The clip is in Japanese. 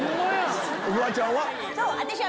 フワちゃんは？